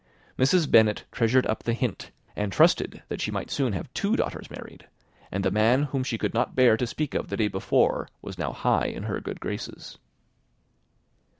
Mrs. Bennet treasured up the hint, and trusted that she might soon have two daughters married; and the man whom she could not bear to speak of the day before, was now high in her good graces.